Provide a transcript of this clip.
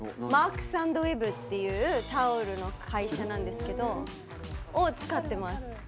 マークスアンドウェブっていうタオルの会社なんですけど使ってます。